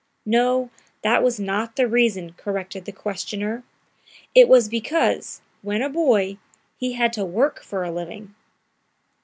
"No, that was not the reason," corrected the questioner; "it was because, when a boy, he had to work for a living."